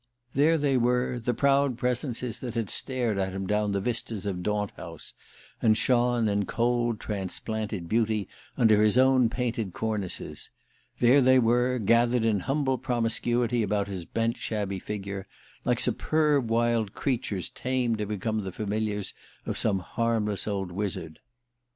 There they were, the proud presences that had stared at him down the vistas of Daunt House, and shone in cold transplanted beauty under his own painted cornices: there they were, gathered in humble promiscuity about his bent shabby figure, like superb wild creatures tamed to become the familiars of some harmless old wizard.